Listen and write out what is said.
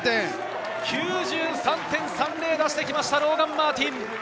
９３．３０を出してきましたローガン・マーティン。